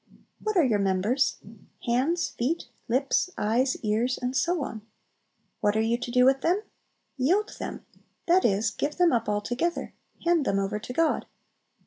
What are your members? Hands, feet, lips, eyes, ears, and so on. What are you to do with them? "Yield" them, that is, give them up altogether, hand them over to God.